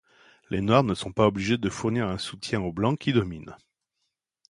Les Noirs ne sont pas obligés de fournir un soutien aux Blancs qui dominent.